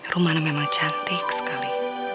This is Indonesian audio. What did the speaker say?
rumana memang cantik sekali